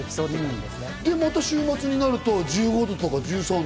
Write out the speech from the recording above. で、また週末になると１５度や１３度。